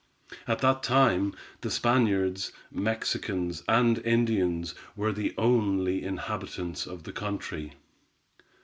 At that time, the Spaniards, Mexicans, and Indians were the only inhabitants of the country.